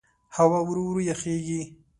هوا ورو ورو یخېږي.